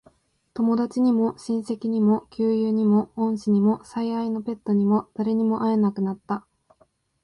友達にも、親戚にも、旧友にも、恩師にも、最愛のペットにも、誰にも会えなくなった。